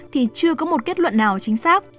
thì chưa có một kết luận nào chính xác